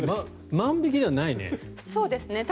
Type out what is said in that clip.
万引きではないね。